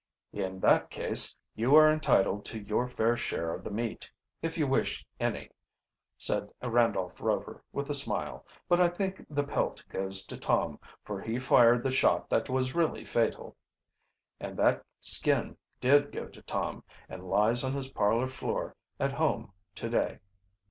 "In that case you are entitled to your fair share of the meat if you wish any," said Randolph Rover with a smile. "But I think the pelt goes to Tom, for he fired the shot that was really fatal." And that skin did go to Tom, and lies on his parlor floor at home today.